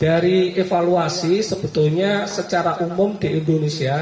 dari evaluasi sebetulnya secara umum di indonesia